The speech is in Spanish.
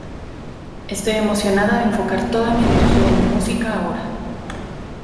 Estoy emocionada de enfocar toda mi energía en mi música ahora".